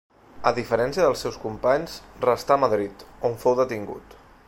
A diferència dels seus companys, restà a Madrid, on fou detingut.